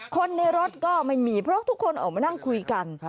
คนในรถก็ไม่มีเพราะทุกคนออกมานั่งคุยกัน